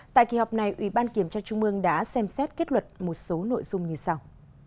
tại kỳ họp này ủy ban kiểm tra trung mương đã xem xét kết luật một số nội dung như sau